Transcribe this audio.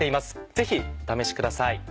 ぜひお試しください。